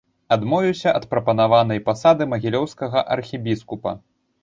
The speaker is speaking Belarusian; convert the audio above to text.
Адмовіўся ад прапанаванай пасады магілёўскага архібіскупа.